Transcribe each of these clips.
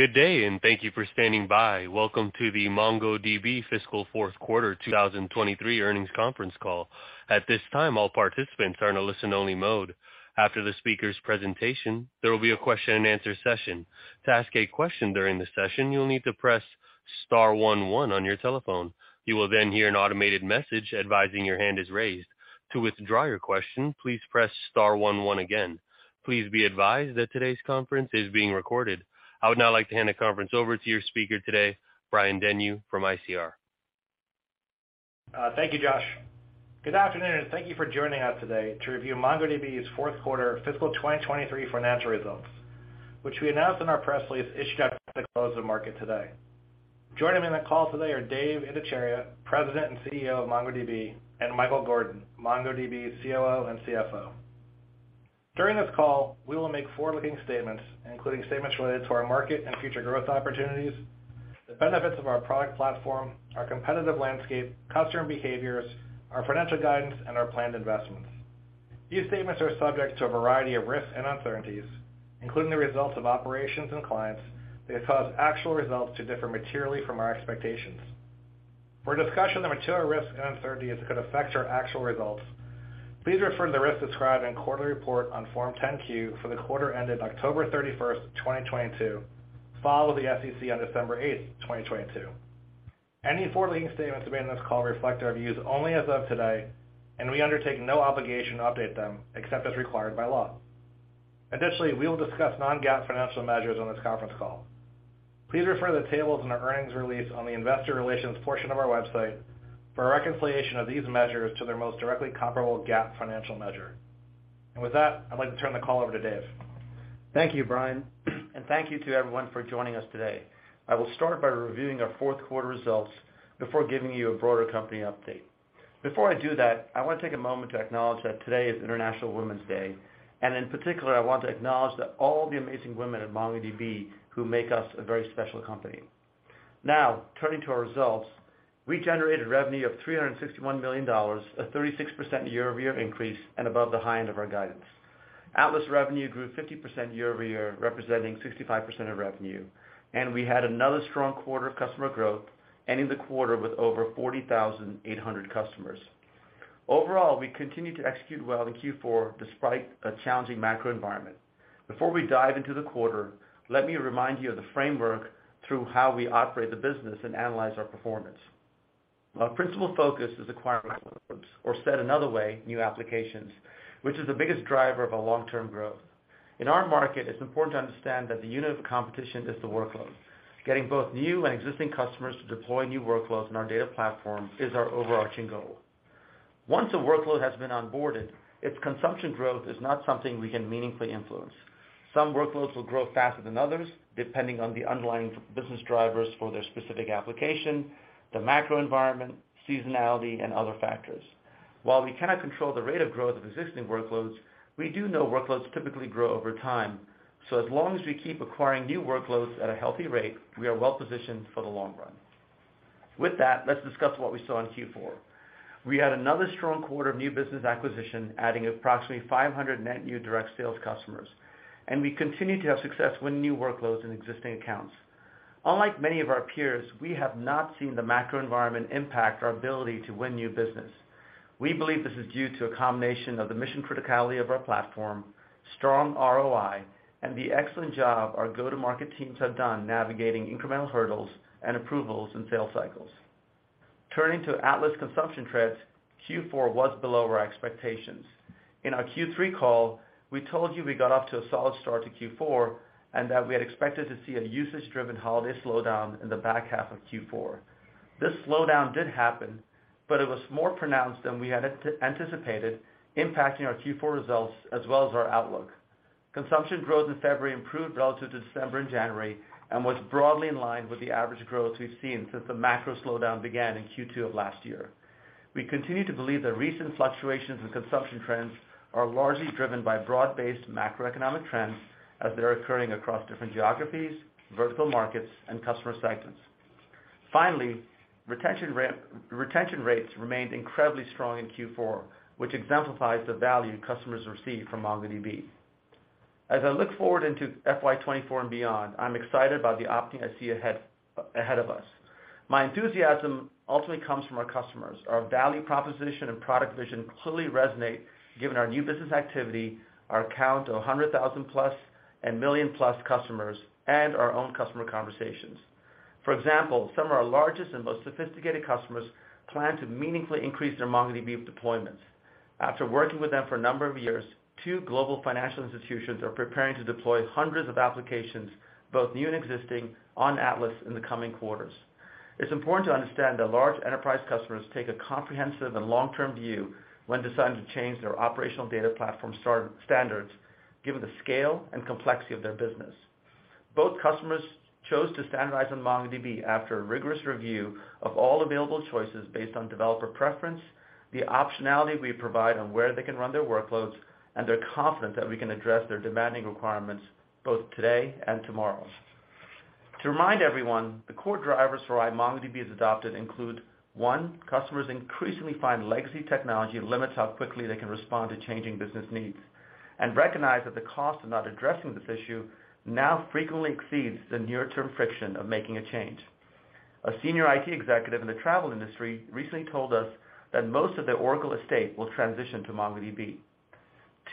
Good day. Thank you for standing by. Welcome to the MongoDB fiscal fourth quarter 2023 earnings conference call. At this time, all participants are in a listen-only mode. After the speaker's presentation, there will be a question-and-answer session. To ask a question during the session, you'll need to press star one one on your telephone. You will hear an automated message advising your hand is raised. To withdraw your question, please press star one one again. Please be advised that today's conference is being recorded. I would now like to hand the conference over to your speaker today, Brian Denyeau from ICR. Thank you, Josh. Good afternoon, thank you for joining us today to review MongoDB's fourth quarter fiscal 2023 financial results, which we announced in our press release issued at the close of market today. Joining me on the call today are Dev Ittycheria, President and CEO of MongoDB, and Michael Gordon, MongoDB COO and CFO. During this call, we will make forward-looking statements, including statements related to our market and future growth opportunities, the benefits of our product platform, our competitive landscape, customer behaviors, our financial guidance, and our planned investments. These statements are subject to a variety of risks and uncertainties, including the results of operations and events that could cause actual results to differ materially from our expectations to differ materially from our expectations. For a discussion of the material risks and uncertainties that could affect our actual results, please refer to the risks described in quarterly report on Form 10-Q for the quarter ended October 31, 2022, filed with the SEC on December 8, 2022. Any forward-looking statements made on this call reflect our views only as of today, and we undertake no obligation to update them except as required by law. Additionally, we will discuss non-GAAP financial measures on this conference call. Please refer to the tables in our earnings release on the investor relations portion of our website for a reconciliation of these measures to their most directly comparable GAAP financial measure. With that, I'd like to turn the call over to Dev. Thank you, Brian, and thank you to everyone for joining us today. I will start by reviewing our fourth-quarter results before giving you a broader company update. Before I do that, I want to take a moment to acknowledge that today is International Women's Day, and in particular, I want to acknowledge that all the amazing women at MongoDB who make us a very special company. Now, turning to our results, we generated revenue of $361 million, a 36% year-over-year increase and above the high end of our guidance. Atlas revenue grew 50% year-over-year, representing 65% of revenue. We had another strong quarter of customer growth, ending the quarter with over 40,800 customers. Overall, we continued to execute well in Q4 despite a challenging macro environment. Before we dive into the quarter, let me remind you of the framework through how we operate the business and analyze our performance. Our principal focus is acquiring, or said another way, new applications, which is the biggest driver of long-term growth. In our market, it's important to understand that the unit of competition is the workload. Getting both new and existing customers to deploy new workloads on our data platform is our overarching goal. Once a workload has been onboarded, its consumption growth is not something we can meaningfully influence. Some workloads will grow faster than others, depending on the underlying business drivers for their specific application, the macro environment, seasonality, and other factors. While we cannot control the rate of growth of existing workloads, we do know workloads typically grow over time. As long as we keep acquiring new workloads at a healthy rate, we are well-positioned for the long run. With that, let's discuss what we saw in Q4. We had another strong quarter of new business acquisition, adding approximately 500 net new direct sales customers, and we continued to have success winning new workloads in existing accounts. Unlike many of our peers, we have not seen the macro environment impact our ability to win new business. We believe this is due to a combination of the mission criticality of our platform, strong ROI, and the excellent job our go-to-market teams have done navigating incremental hurdles and approvals and sales cycles. Turning to Atlas consumption trends, Q4 was below our expectations. In our Q3 call, we told you we got off to a solid start to Q4 and that we had expected to see a usage-driven holiday slowdown in the back half of Q4. This slowdown did happen, it was more pronounced than we had anticipated, impacting our Q4 results as well as our outlook. Consumption growth in February improved relative to December and January and was broadly in line with the average growth we've seen since the macro slowdown began in Q2 of last year. We continue to believe that recent fluctuations in consumption trends are largely driven by broad-based macroeconomic trends as they are occurring across different geographies, vertical markets, and customer segments. Retention rates remained incredibly strong in Q4, which exemplifies the value customers receive from MongoDB. As I look forward into FY 2024 and beyond, I'm excited about the opportunity I see ahead of us. My enthusiasm ultimately comes from our customers. Our value proposition and product vision clearly resonate given our new business activity, our count to 100,000-plus and million-plus customers, and our own customer conversations. For example, some of our largest and most sophisticated customers plan to meaningfully increase their MongoDB deployments. After working with them for a number of years, two global financial institutions are preparing to deploy hundreds of applications, both new and existing, on Atlas in the coming quarters. It's important to understand that large enterprise customers take a comprehensive and long-term view when deciding to change their operational data platform standards given the scale and complexity of their business. Both customers chose to standardize on MongoDB after a rigorous review of all available choices based on developer preference, the optionality we provide on where they can run their workloads, and their confidence that we can address their demanding requirements both today and tomorrow. To remind everyone, the core drivers for why MongoDB is adopted include, one, customers increasingly find legacy technology limits how quickly they can respond to changing business needs. Recognize that the cost of not addressing this issue now frequently exceeds the near-term friction of making a change. A senior IT executive in the travel industry recently told us that most of their Oracle estate will transition to MongoDB.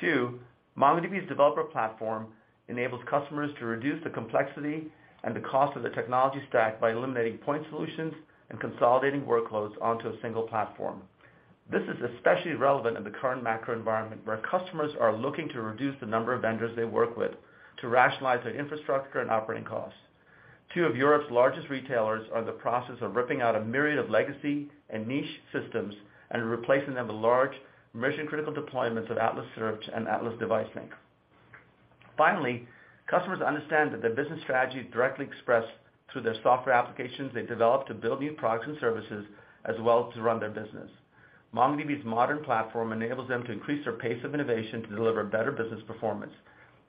Two, MongoDB's developer platform enables customers to reduce the complexity and the cost of the technology stack by eliminating point solutions and consolidating workloads onto a single platform. This is especially relevant in the current macro environment, where customers are looking to reduce the number of vendors they work with to rationalize their infrastructure and operating costs. Two of Europe's largest retailers are in the process of ripping out a myriad of legacy and niche systems and replacing them with large mission-critical deployments of Atlas Search and Atlas Device Sync. Customers understand that their business strategy is directly expressed through their software applications they develop to build new products and services, as well as to run their business. MongoDB's modern platform enables them to increase their pace of innovation to deliver better business performance.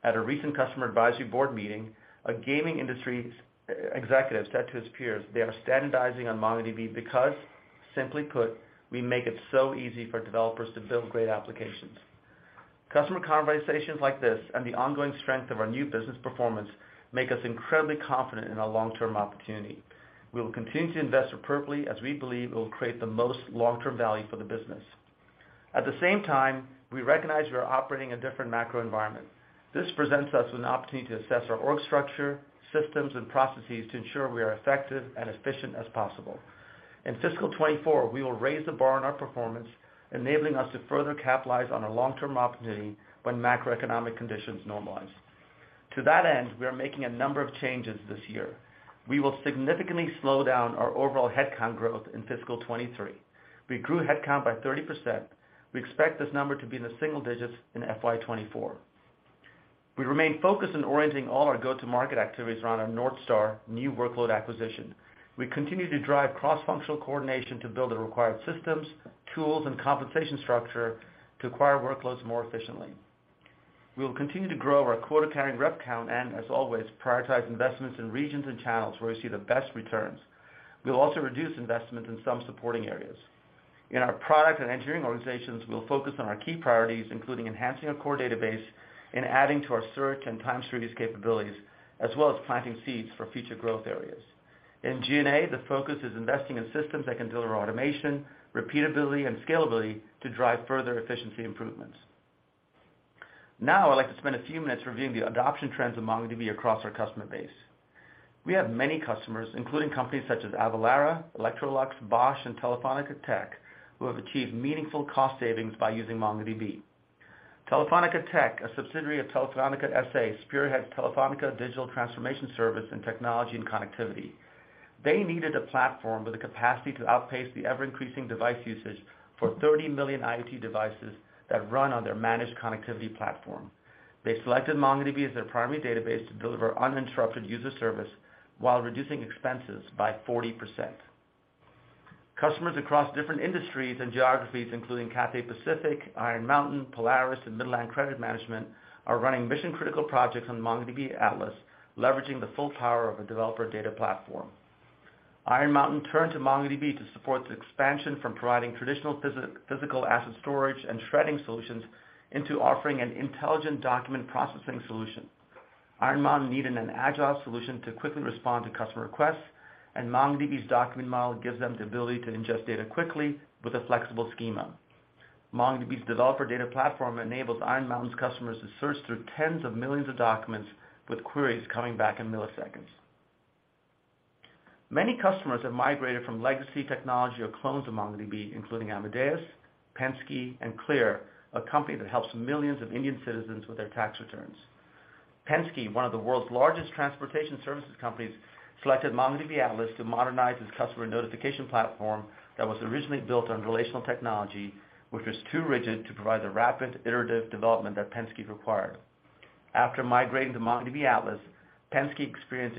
At a recent customer advisory board meeting, a gaming industry executive said to his peers, they are standardizing on MongoDB because, simply put, we make it so easy for developers to build great applications. Customer conversations like this and the ongoing strength of our new business performance make us incredibly confident in our long-term opportunity. We will continue to invest appropriately as we believe it will create the most long-term value for the business. At the same time, we recognize we are operating a different macro environment. This presents us with an opportunity to assess our org structure, systems, and processes to ensure we are effective and efficient as possible. In fiscal 2024, we will raise the bar on our performance, enabling us to further capitalize on our long-term opportunity when macroeconomic conditions normalize. To that end, we are making a number of changes this year. We will significantly slow down our overall headcount growth in fiscal 2023. We grew headcount by 30%. We expect this number to be in the single digits in FY 2024. We remain focused on orienting all our go-to-market activities around our North Star new workload acquisition. We continue to drive cross-functional coordination to build the required systems, tools, and compensation structure to acquire workloads more efficiently. We will continue to grow our quota-carrying rep count and, as always, prioritize investments in regions and channels where we see the best returns. We will also reduce investments in some supporting areas. In our product and engineering organizations, we'll focus on our key priorities, including enhancing our core database and adding to our search and time series capabilities, as well as planting seeds for future growth areas. In G&A, the focus is investing in systems that can deliver automation, repeatability, and scalability to drive further efficiency improvements. Now, I'd like to spend a few minutes reviewing the adoption trends of MongoDB across our customer base. We have many customers, including companies such as Avalara, Electrolux, Bosch, and Telefónica Tech, who have achieved meaningful cost savings by using MongoDB. Telefónica Tech, a subsidiary of Telefónica, S.A., spearheads Telefónica's digital transformation service in technology and connectivity. They needed a platform with the capacity to outpace the ever-increasing device usage for 30 million IoT devices that run on their managed connectivity platform. They selected MongoDB as their primary database to deliver uninterrupted user service while reducing expenses by 40%. Customers across different industries and geographies, including Cathay Pacific, Iron Mountain, Polaris, and Midland Credit Management, are running mission-critical projects on MongoDB Atlas, leveraging the full power of a developer data platform. Iron Mountain turned to MongoDB to support the expansion from providing traditional physical asset storage and shredding solutions into offering an intelligent document processing solution. Iron Mountain needed an agile solution to quickly respond to customer requests, and MongoDB's document model gives them the ability to ingest data quickly with a flexible schema. MongoDB's developer data platform enables Iron Mountain's customers to search through tens of millions of documents with queries coming back in milliseconds. Many customers have migrated from legacy technology or clones of MongoDB, including Amadeus, Penske, and Clear, a company that helps millions of Indian citizens with their tax returns. Penske, one of the world's largest transportation services companies, selected MongoDB Atlas to modernize its customer notification platform that was originally built on relational technology, which was too rigid to provide the rapid iterative development that Penske required. After migrating to MongoDB Atlas, Penske experienced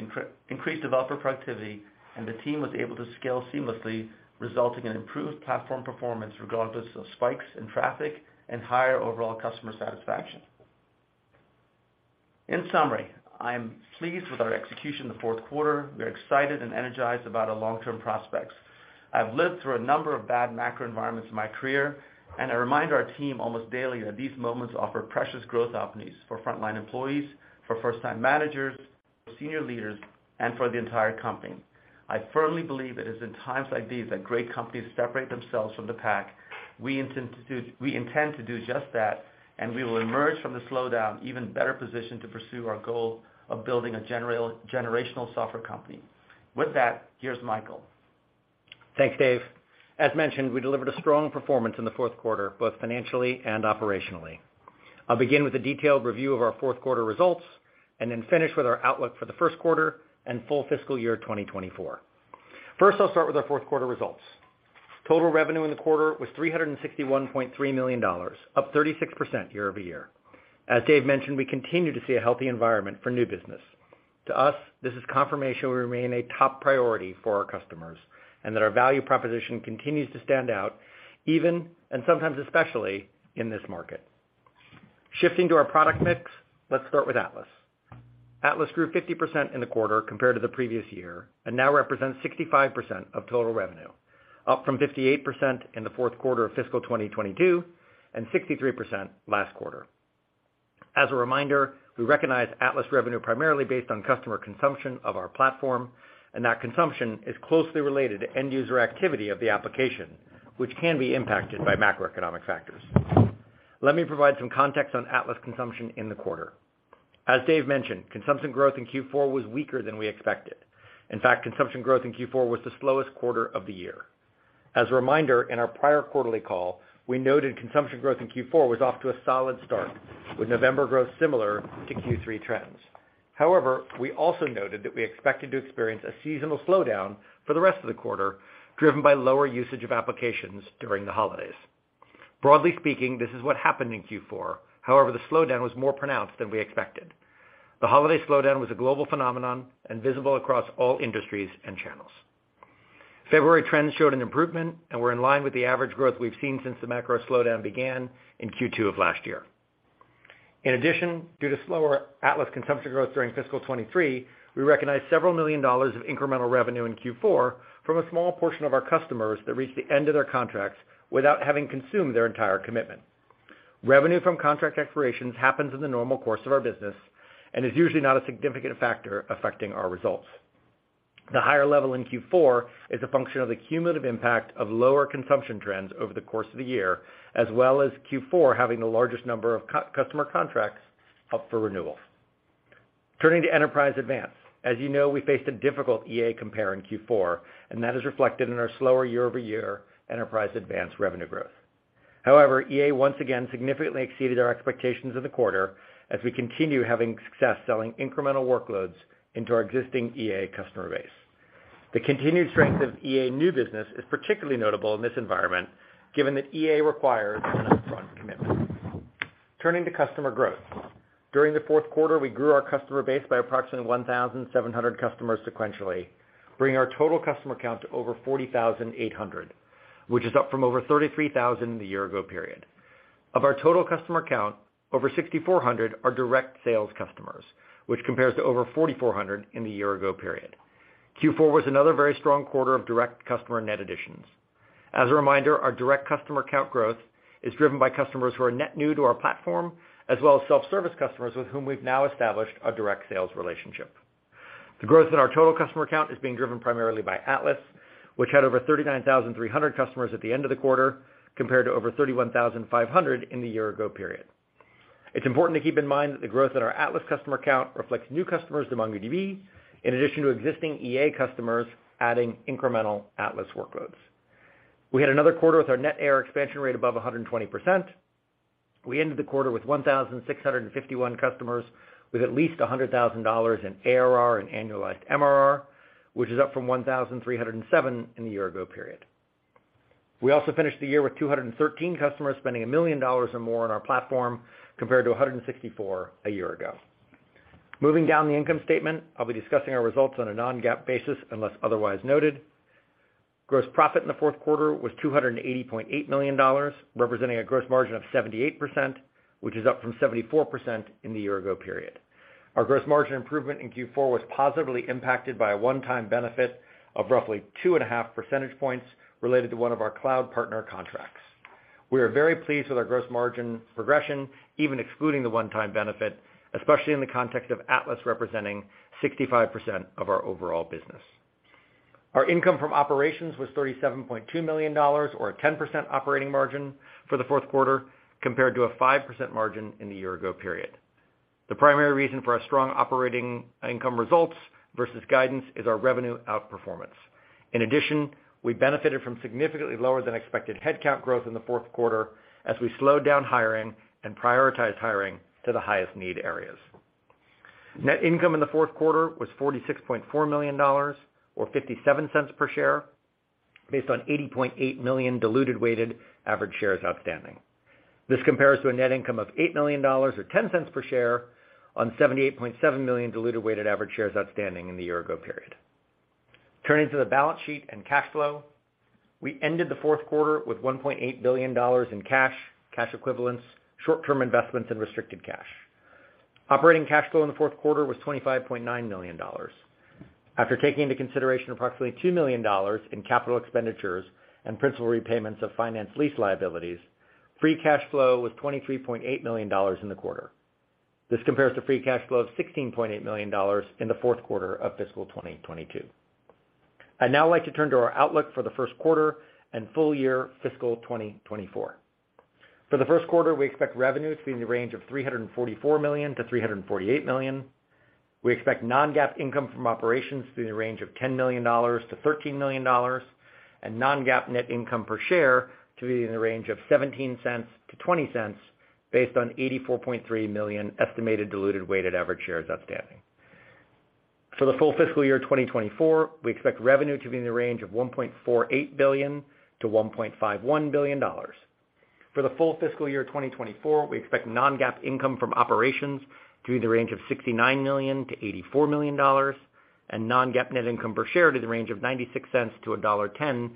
increased developer productivity and the team was able to scale seamlessly, resulting in improved platform performance regardless of spikes in traffic and higher overall customer satisfaction. In summary, I am pleased with our execution in the fourth quarter. We are excited and energized about our long-term prospects. I've lived through a number of bad macro environments in my career, and I remind our team almost daily that these moments offer precious growth opportunities for frontline employees, for first-time managers, for senior leaders, and for the entire company. I firmly believe it is in times like these that great companies separate themselves from the pack. We intend to do just that, and we will emerge from the slowdown even better positioned to pursue our goal of building a generational software company. With that, here's Michael. Thanks, Dev. As mentioned, we delivered a strong performance in the fourth quarter, both financially and operationally. I'll begin with a detailed review of our fourth quarter results and then finish with our outlook for the first quarter and full fiscal year 2024. First, I'll start with our fourth quarter results. Total revenue in the quarter was $361.3 million, up 36% year-over-year. As Dev mentioned, we continue to see a healthy environment for new business. To us, this is confirmation we remain a top priority for our customers and that our value proposition continues to stand out even, and sometimes especially, in this market. Shifting to our product mix, let's start with Atlas. Atlas grew 50% in the quarter compared to the previous year and now represents 65% of total revenue, up from 58% in the fourth quarter of fiscal 2022 and 63% last quarter. As a reminder, we recognize Atlas revenue primarily based on customer consumption of our platform. That consumption is closely related to end-user activity of the application, which can be impacted by macroeconomic factors. Let me provide some context on Atlas consumption in the quarter. As Dev mentioned, consumption growth in Q4 was weaker than we expected. In fact, consumption growth in Q4 was the slowest quarter of the year. As a reminder, in our prior quarterly call, we noted consumption growth in Q4 was off to a solid start, with November growth similar to Q3 trends. However, we also noted that we expected to experience a seasonal slowdown for the rest of the quarter, driven by lower usage of applications during the holidays. Broadly speaking, this is what happened in Q4. However, the slowdown was more pronounced than we expected. The holiday slowdown was a global phenomenon and visible across all industries and channels. February trends showed an improvement and were in line with the average growth we've seen since the macro slowdown began in Q2 of last year. In addition, due to slower Atlas consumption growth during fiscal 2023, we recognized several million dollars of incremental revenue in Q4 from a small portion of our customers that reached the end of their contracts without having consumed their entire commitment. Revenue from contract expirations happens in the normal course of our business and is usually not a significant factor affecting our results. The higher level in Q4 is a function of the cumulative impact of lower consumption trends over the course of the year, as well as Q4 having the largest number of customer contracts up for renewal. Turning to Enterprise Advanced. As you know, we faced a difficult Enterprise Advanced compare in Q4. That is reflected in our slower year-over-year Enterprise Advanced revenue growth. However, Enterprise Advanced once again significantly exceeded our expectations of the quarter as we continue having success selling incremental workloads into our existing Enterprise Advanced customer base. The continued strength of Enterprise Advanced new business is particularly notable in this environment, given that EA requires an upfront commitment. Turning to customer growth. During the fourth quarter, we grew our customer base by approximately 1,700 customers sequentially, bringing our total customer count to over 40,800, which is up from over 33,000 in the year ago period. Of our total customer count, over 6,400 are direct sales customers, which compares to over 4,400 in the year ago period. Q4 was another very strong quarter of direct customer net additions. As a reminder, our direct customer count growth is driven by customers who are net new to our platform, as well as self-service customers with whom we've now established a direct sales relationship. The growth in our total customer count is being driven primarily by Atlas, which had over 39,300 customers at the end of the quarter, compared to over 31,500 in the year ago period. It's important to keep in mind that the growth in our Atlas customer count reflects new customers to MongoDB, in addition to existing EA customers adding incremental Atlas workloads. We had another quarter with our net ARR expansion rate above 120%. We ended the quarter with 1,651 customers with at least $100,000 in ARR, which is up from 1,307 in the year ago period. We also finished the year with 213 customers spending $1 million or more on our platform, compared to 164 a year ago. Moving down the income statement, I'll be discussing our results on a non-GAAP basis unless otherwise noted. Gross profit in the fourth quarter was $280.8 million, representing a gross margin of 78%, which is up from 74% in the year-ago period. Our gross margin improvement in Q4 was positively impacted by a one-time benefit of roughly 2.5 percentage points related to one of our cloud partner contracts. We are very pleased with our gross margin progression, even excluding the one-time benefit, especially in the context of Atlas representing 65% of our overall business. Our income from operations was $37.2 million or a 10% operating margin for the fourth quarter, compared to a 5% margin in the year-ago period. The primary reason for our strong operating income results versus guidance is our revenue outperformance. We benefited from significantly lower than expected headcount growth in the fourth quarter as we slowed down hiring and prioritized hiring to the highest need areas. Net income in the fourth quarter was $46.4 million or $0.57 per share based on 80.8 million diluted weighted average shares outstanding. This compares to a net income of $8 million or $0.10 per share on 78.7 million diluted weighted average shares outstanding in the year-ago period. Turning to the balance sheet and cash flow. We ended the fourth quarter with $1.8 billion in cash equivalents, short-term investments, and restricted cash. Operating cash flow in the fourth quarter was $25.9 million. After taking into consideration approximately $2 million in CapEx and principal repayments of finance lease liabilities, free cash flow was $23.8 million in the quarter. This compares to free cash flow of $16.8 million in the fourth quarter of fiscal 2022. I'd now like to turn to our outlook for the first quarter and full year fiscal 2024. For the first quarter, we expect revenue to be in the range of $344 million to $348 million. We expect non-GAAP income from operations to be in the range of $10 million to $13 million, and non-GAAP net income per share to be in the range of $0.17-$0.20 based on 84.3 million estimated diluted weighted average shares outstanding. For the full fiscal year 2024, we expect revenue to be in the range of $1.48 billion to $1.51 billion. For the full fiscal year 2024, we expect non-GAAP income from operations to be in the range of $69 million-$84 million, and non-GAAP net income per share to the range of $0.96-$1.10.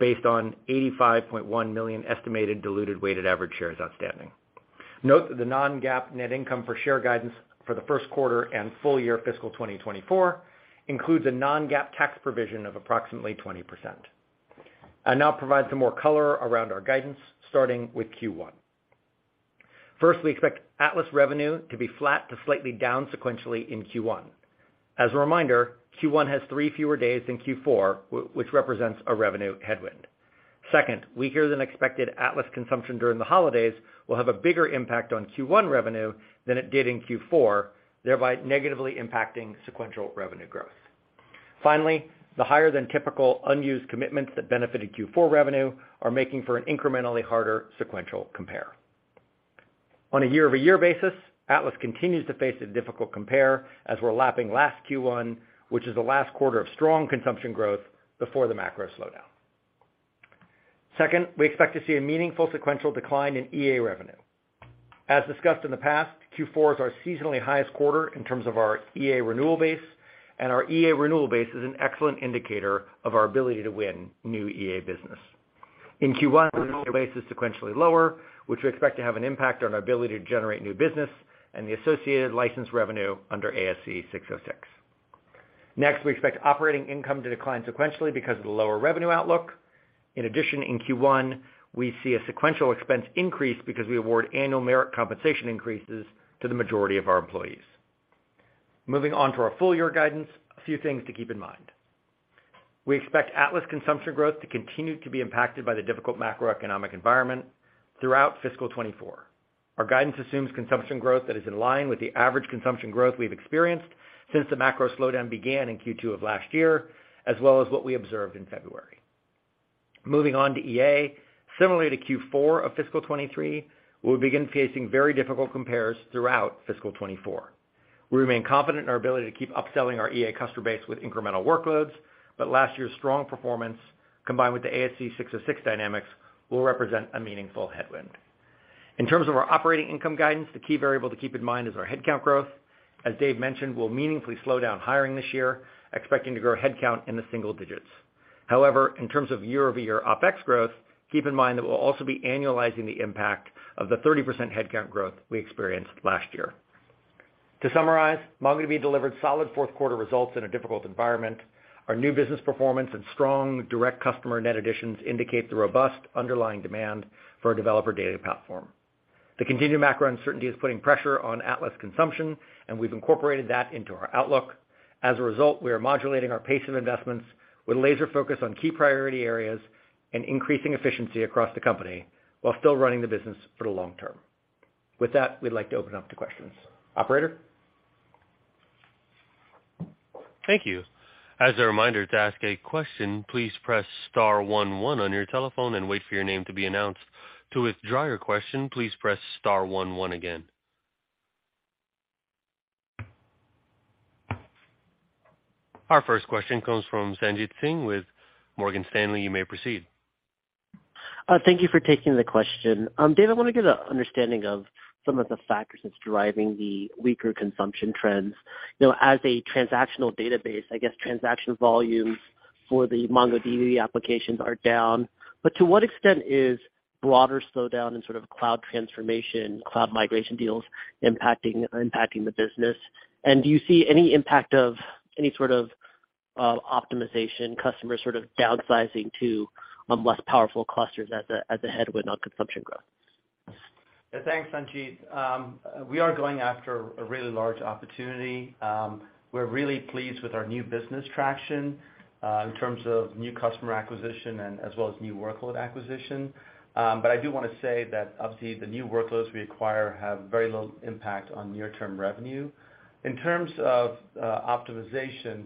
Based on 85.1 million estimated diluted weighted average shares outstanding. Note that the non-GAAP net income for share guidance for the first quarter and full year fiscal 2024 includes a non-GAAP tax provision of approximately 20%. I'll now provide some more color around our guidance, starting with Q1. First, we expect Atlas revenue to be flat to slightly down sequentially in Q1. As a reminder, Q1 has three fewer days than Q4, which represents a revenue headwind. Second, weaker than expected Atlas consumption during the holidays will have a bigger impact on Q1 revenue than it did in Q4, thereby negatively impacting sequential revenue growth. Finally, the higher than typical unused commitments that benefited Q4 revenue are making for an incrementally harder sequential compare. On a year-over-year basis, Atlas continues to face a difficult compare as we're lapping last Q1, which is the last quarter of strong consumption growth before the macro slowdown. Second, we expect to see a meaningful sequential decline in EA revenue. As discussed in the past, Q4 is our seasonally highest quarter in terms of our EA renewal base, and our EA renewal base is an excellent indicator of our ability to win new EA business. In Q1, our renewal base is sequentially lower, which we expect to have an impact on our ability to generate new business and the associated license revenue under ASC 606. We expect operating income to decline sequentially because of the lower revenue outlook. In Q1, we see a sequential expense increase because we award annual merit compensation increases to the majority of our employees. Moving on to our full year guidance, a few things to keep in mind. We expect Atlas consumption growth to continue to be impacted by the difficult macroeconomic environment throughout fiscal 2024. Our guidance assumes consumption growth that is in line with the average consumption growth we've experienced since the macro slowdown began in Q2 of last year, as well as what we observed in February. Moving on to EA. Similarly to Q4 of fiscal 2023, we'll begin facing very difficult compares throughout fiscal 2024. We remain confident in our ability to keep upselling our EA customer base with incremental workloads, last year's strong performance, combined with the ASC 606 dynamics, will represent a meaningful headwind. In terms of our operating income guidance, the key variable to keep in mind is our headcount growth. As Dev mentioned, we'll meaningfully slow down hiring this year, expecting to grow headcount in the single digits. In terms of year-over-year OpEx growth, keep in mind that we'll also be annualizing the impact of the 30% headcount growth we experienced last year. To summarize, MongoDB delivered solid fourth quarter results in a difficult environment. Our new business performance and strong direct customer net additions indicate the robust underlying demand for a developer data platform. The continued macro uncertainty is putting pressure on Atlas consumption, and we've incorporated that into our outlook. As a result, we are modulating our pace of investments with laser focus on key priority areas and increasing efficiency across the company while still running the business for the long term. With that, we'd like to open up to questions. Operator? Thank you. As a reminder, to ask a question, please press star one one on your telephone and wait for your name to be announced. To withdraw your question, please press star one one again. Our first question comes from Sanjit Singh with Morgan Stanley. You may proceed. Thank you for taking the question. Dev, I wanna get an understanding of some of the factors that's driving the weaker consumption trends. You know, as a transactional database, I guess transaction volumes for the MongoDB applications are down. To what extent is broader slowdown in sort of cloud transformation, cloud migration deals impacting the business? Do you see any impact of any sort of optimization customers sort of downsizing to less powerful clusters as a headwind on consumption growth? Thanks, Sanjit. We are going after a really large opportunity. We're really pleased with our new business traction in terms of new customer acquisition and as well as new workload acquisition. I do wanna say that obviously the new workloads we acquire have very low impact on near-term revenue. In terms of optimization,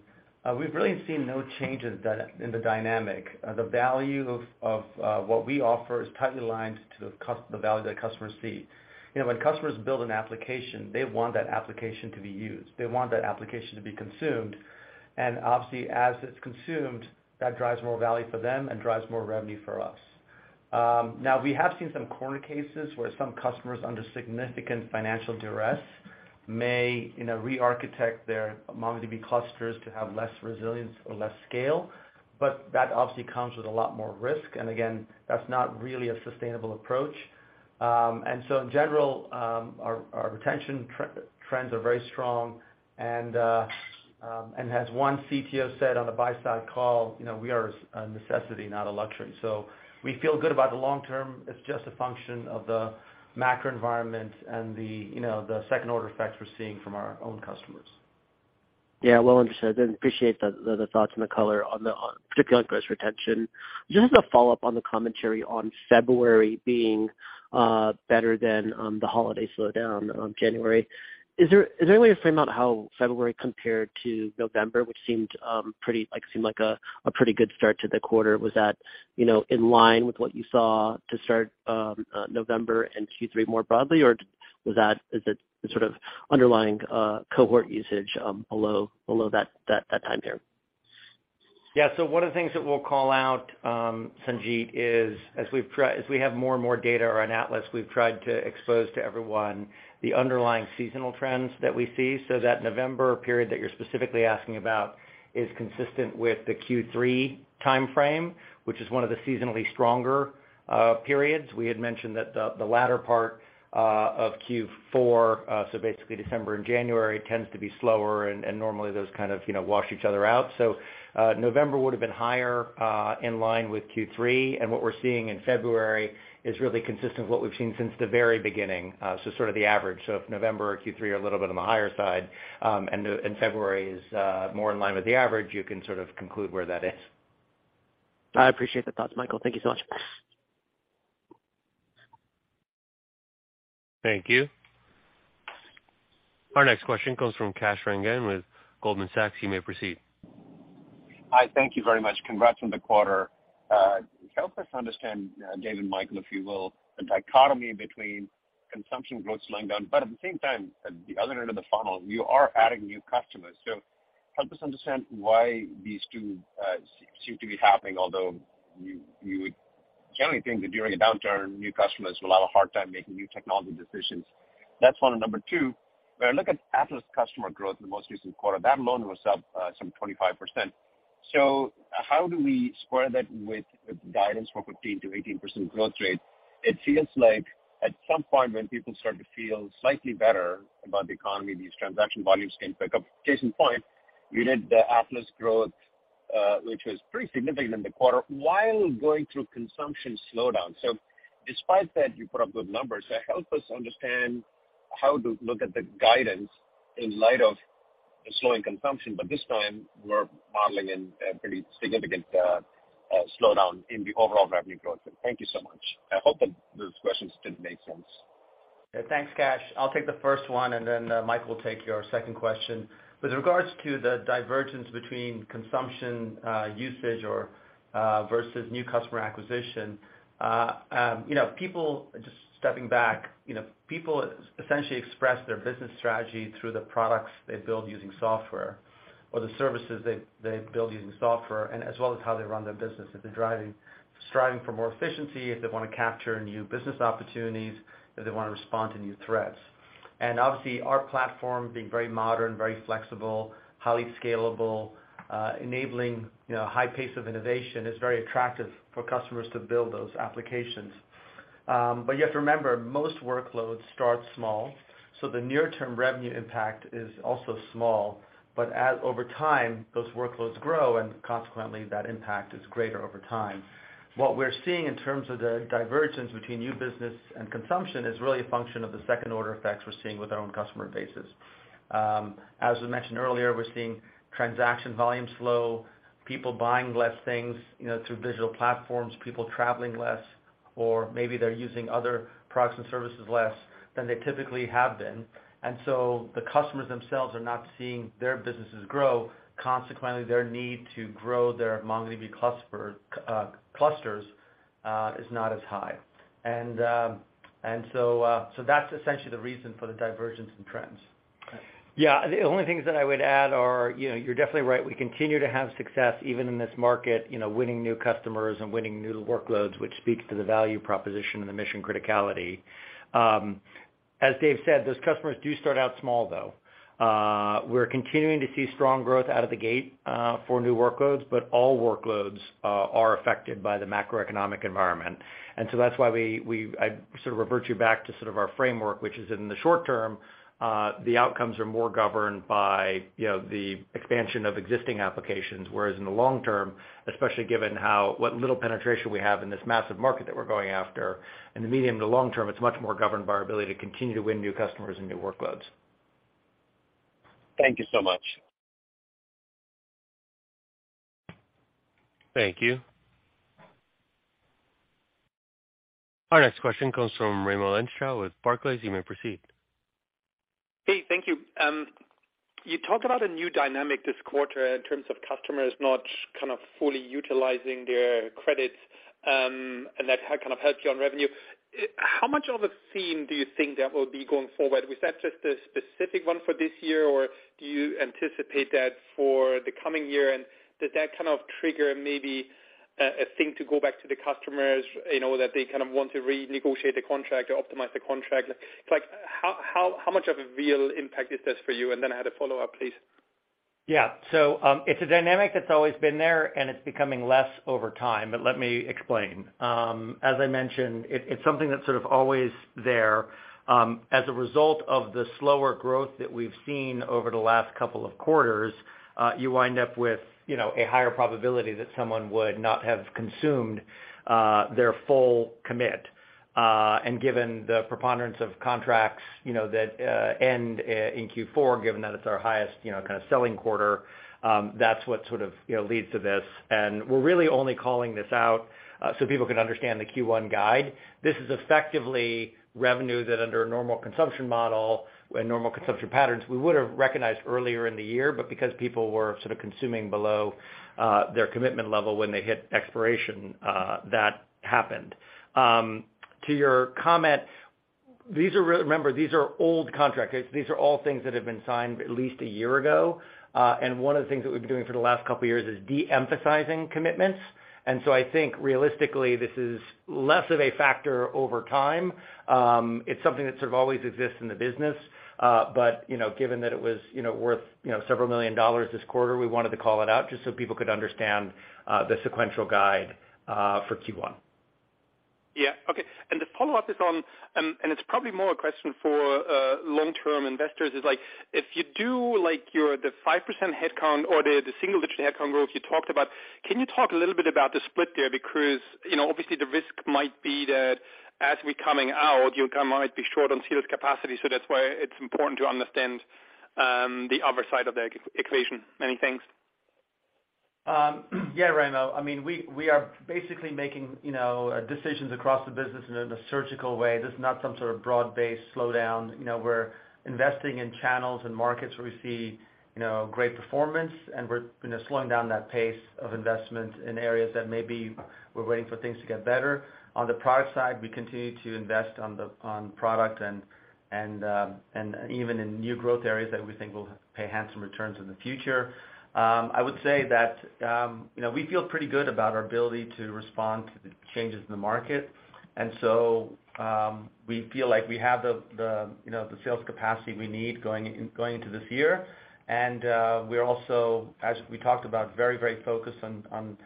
we've really seen no changes in the dynamic. The value of what we offer is tightly aligned to the value that customers see. You know, when customers build an application, they want that application to be used. They want that application to be consumed. Obviously, as it's consumed, that drives more value for them and drives more revenue for us. Now we have seen some corner cases where some customers under significant financial duress may, you know, rearchitect their MongoDB clusters to have less resilience or less scale, but that obviously comes with a lot more risk. Again, that's not really a sustainable approach. In general, our retention trends are very strong. As one CTO said on the buy-side call, you know, we are a necessity, not a luxury. We feel good about the long term. It's just a function of the macro environment and the, you know, the second order effects we're seeing from our own customers. Yeah, well understood, and appreciate the thoughts and the color on the particularly on gross retention. Just as a follow-up on the commentary on February being better than the holiday slowdown on January, is there any way to frame out how February compared to November, which seemed a pretty good start to the quarter? Was that, you know, in line with what you saw to start November and Q3 more broadly, or was that is it sort of underlying cohort usage below that time period? One of the things that we'll call out, Sanjit, is as we have more and more data on Atlas, we've tried to expose to everyone the underlying seasonal trends that we see. That November period that you're specifically asking about is consistent with the Q3 timeframe, which is one of the seasonally stronger periods. We had mentioned that the latter part of Q4, so basically December and January, tends to be slower and normally those kind of, you know, wash each other out. November would've been higher in line with Q3. What we're seeing in February is really consistent with what we've seen since the very beginning, so sort of the average. If November or Q3 are a little bit on the higher side, and February is more in line with the average, you can sort of conclude where that is. I appreciate the thoughts, Michael. Thank you so much. Thank you. Our next question comes from Kash Rangan with Goldman Sachs. You may proceed. Hi, thank you very much. Congrats on the quarter. Help us understand, Dev and Michael, if you will, the dichotomy between consumption growth slowing down, but at the same time, at the other end of the funnel, you are adding new customers. Help us understand why these two seem to be happening, although you would generally think that during a downturn, new customers will have a hard time making new technology decisions. That's one, and number two, when I look at Atlas customer growth in the most recent quarter, that alone was up, some 25%. How do we square that with guidance for 15%-18% growth rate? It feels like at some point when people start to feel slightly better about the economy, these transaction volumes can pick up. Case in point, we did the Atlas growth, which was pretty significant in the quarter while going through consumption slowdown. Despite that, you put up good numbers. Help us understand how to look at the guidance in light of the slowing consumption. This time we're modeling in a pretty significant slowdown in the overall revenue growth. Thank you so much. I hope that those questions did make sense. Yeah, thanks, Kash. I'll take the first one, and then Mike will take your second question. With regards to the divergence between consumption, usage or versus new customer acquisition, you know, just stepping back, you know, people essentially express their business strategy through the products they build using software or the services they build using software and as well as how they run their business. If they're striving for more efficiency, if they wanna capture new business opportunities, if they wanna respond to new threats. Obviously, our platform being very modern, very flexible, highly scalable, enabling, you know, high pace of innovation is very attractive for customers to build those applications. You have to remember, most workloads start small, so the near-term revenue impact is also small. As over time, those workloads grow, and consequently, that impact is greater over time. What we're seeing in terms of the divergence between new business and consumption is really a function of the second order effects we're seeing with our own customer bases. As we mentioned earlier, we're seeing transaction volumes slow, people buying less things, you know, through digital platforms, people traveling less or maybe they're using other products and services less than they typically have been. The customers themselves are not seeing their businesses grow, consequently, their need to grow their MongoDB clusters is not as high. That's essentially the reason for the divergence in trends. Yeah. The only things that I would add are, you know, you're definitely right. We continue to have success even in this market, you know, winning new customers and winning new workloads, which speaks to the value proposition and the mission criticality. As Dev said, those customers do start out small, though. We're continuing to see strong growth out of the gate for new workloads, but all workloads are affected by the macroeconomic environment. That's why I sort of revert you back to sort of our framework, which is in the short term, the outcomes are more governed by, you know, the expansion of existing applications, whereas in the long term, especially given how what little penetration we have in this massive market that we're going after, in the medium to long term, it's much more governed by our ability to continue to win new customers and new workloads. Thank you so much. Thank you. Our next question comes from Raimo Lenschow with Barclays. You may proceed. Hey, thank you. You talk about a new dynamic this quarter in terms of customers not kind of fully utilizing their credits, and that kind of helps you on revenue. How much of a theme do you think that will be going forward? Was that just a specific one for this year, or do you anticipate that for the coming year? Does that kind of trigger maybe a thing to go back to the customers, you know, that they kind of want to renegotiate the contract or optimize the contract? Like how much of a real impact is this for you? Then I had a follow-up, please. Yeah. It's a dynamic that's always been there, and it's becoming less over time, but let me explain. As I mentioned, it's something that's sort of always there. As a result of the slower growth that we've seen over the last couple of quarters, you wind up with, you know, a higher probability that someone would not have consumed their full commit. Given the preponderance of contracts, you know, that end in Q4, given that it's our highest, you know, kind of selling quarter, that's what sort of, you know, leads to this. We're really only calling this out so people can understand the Q1 guide. This is effectively revenue that under a normal consumption model and normal consumption patterns, we would've recognized earlier in the year, but because people were sort of consuming below, their commitment level when they hit expiration, that happened. To your comment. Remember, these are old contracts. These are all things that have been signed at least a year ago. One of the things that we've been doing for the last couple of years is de-emphasizing commitments. I think realistically this is less of a factor over time. It's something that sort of always exists in the business. You know, given that it was, you know, worth, you know, several million dollars this quarter, we wanted to call it out just so people could understand the sequential guide for Q1. Yeah. Okay. And the follow-up is on, and it's probably more a question for long-term investors, is like, if you do like the 5% headcount or the single-digit headcount growth you talked about, can you talk a little bit about the split there? Because, you know, obviously the risk might be that as we're coming out, you might be short on sales capacity. That's why it's important to understand the other side of the equation. Many thanks. Yeah, Raimo. I mean, we are basically making, you know, decisions across the business in a surgical way. This is not some sort of broad-based slowdown. You know, we're investing in channels and markets where we see, you know, great performance, and we're, you know, slowing down that pace of investment in areas that maybe we're waiting for things to get better. On the product side, we continue to invest on product and even in new growth areas that we think will pay handsome returns in the future. I would say that, you know, we feel pretty good about our ability to respond to the changes in the market. So, we feel like we have the, you know, the sales capacity we need going into this year. We're also, as we talked about, very, very focused on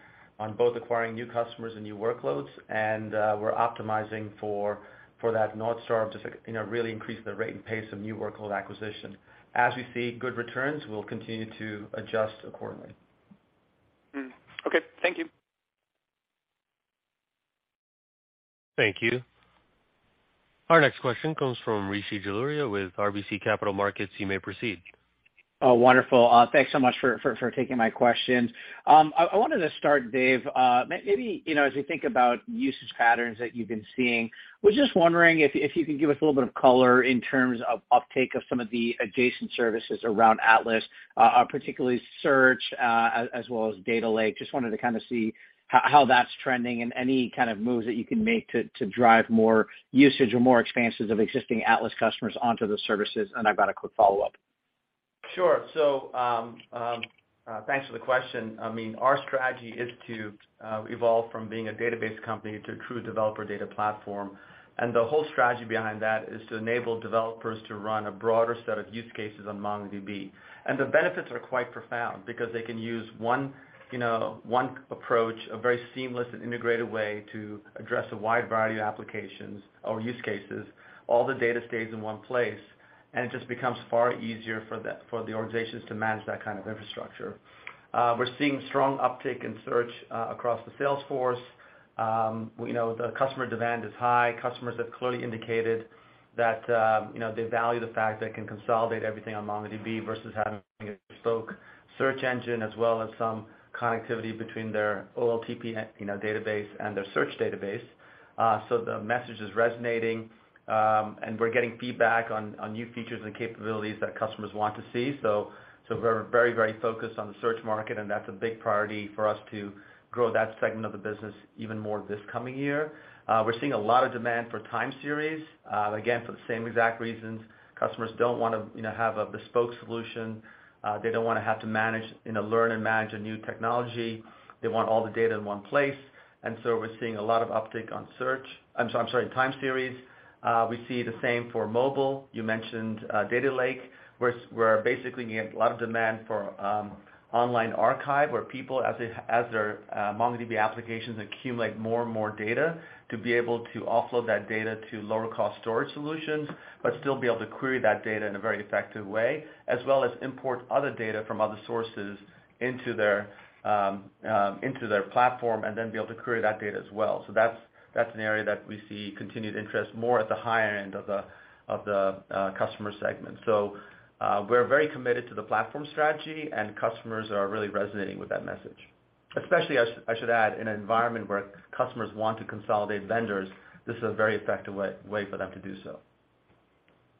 both acquiring new customers and new workloads, we're optimizing for that north star of just, you know, really increase the rate and pace of new workload acquisition. As we see good returns, we'll continue to adjust accordingly. Okay. Thank you. Thank you. Our next question comes from Rishi Jaluria with RBC Capital Markets. You may proceed. Wonderful. Thanks so much for taking my question. I wanted to start, Dev, maybe, you know, as you think about usage patterns that you've been seeing, was just wondering if you could give us a little bit of color in terms of uptake of some of the adjacent services around Atlas, particularly Search, as well as Data Lake. Just wanted to kind of see how that's trending and any kind of moves that you can make to drive more usage or more expanses of existing Atlas customers onto the services. I've got a quick follow-up. Sure. Thanks for the question. I mean, our strategy is to evolve from being a database company to a true developer data platform. The whole strategy behind that is to enable developers to run a broader set of use cases on MongoDB. The benefits are quite profound because they can use one, you know, one approach, a very seamless and integrated way to address a wide variety of applications or use cases. All the data stays in one place, and it just becomes far easier for the organizations to manage that kind of infrastructure. We're seeing strong uptake in Search across the sales force. We know the customer demand is high. Customers have clearly indicated that, you know, they value the fact they can consolidate everything on MongoDB versus having a bespoke search engine, as well as some connectivity between their OLTP, you know, database and their search database. The message is resonating, and we're getting feedback on new features and capabilities that customers want to see. We're very, very focused on the search market, and that's a big priority for us to grow that segment of the business even more this coming year. We're seeing a lot of demand for time series, again, for the same exact reasons. Customers don't wanna, you know, have a bespoke solution. They don't wanna have to manage, you know, learn and manage a new technology. They want all the data in one place. We're seeing a lot of uptake on Search. I'm sorry, time series. We see the same for mobile. You mentioned Data Lake. We're basically getting a lot of demand for Online Archive, where people, as their MongoDB applications accumulate more and more data to be able to offload that data to lower cost storage solutions, but still be able to query that data in a very effective way, as well as import other data from other sources into their platform and then be able to query that data as well. That's an area that we see continued interest more at the higher end of the customer segment. We're very committed to the platform strategy, and customers are really resonating with that message. Especially, I should add, in an environment where customers want to consolidate vendors, this is a very effective way for them to do so.